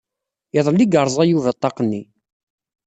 Iḍelli i yerẓa Yuba ṭṭaq-nni.